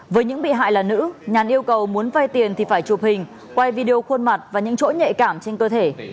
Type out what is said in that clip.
với những bị hại là nữ nhàn yêu cầu muốn vay tiền thì phải chụp hình quay video khuôn mặt và những chỗ nhạy cảm trên cơ thể